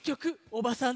おばさん？